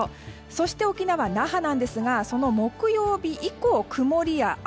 そして、沖縄・那覇ですがその木曜日以降、曇りや前。